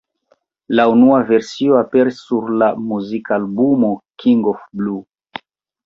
La unua versio aperis sur la muzikalbumo Kind of Blue.